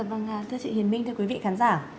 vâng thưa chị hiền minh thưa quý vị khán giả